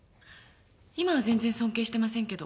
今は全然尊敬してませんけど。